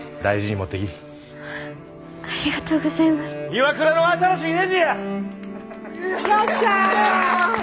ＩＷＡＫＵＲＡの新しいねじや！